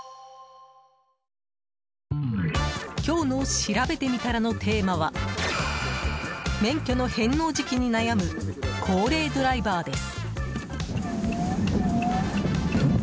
今日のしらべてみたらのテーマは免許の返納時期に悩む高齢ドライバーです。